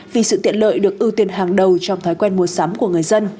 vì sự tiện lợi được ưu tiên hàng đầu trong thói quen mua sắm của người dân